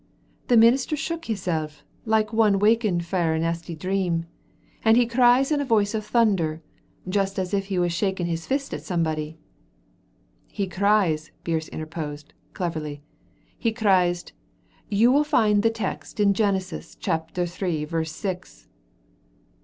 "The minister shook himsel' like one wakening frae a nasty dream, and he cries in a voice of thunder, just as if he was shaking his fist at somebody " "He cries," Birse interposed, cleverly, "he cries, 'You will find the text in Genesis, chapter three, verse six.'"